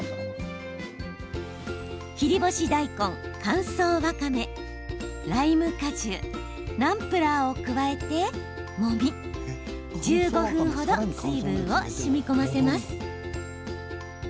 切り干し大根、乾燥わかめライム果汁ナムプラーを加えて、もみ１５分程、水分をしみこませます。